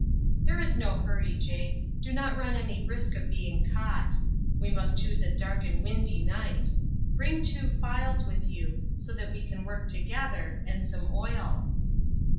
"There is no hurry, Jake; do not run any risk of being caught. We must choose a dark and windy night. Bring two files with you, so that we can work together, and some oil."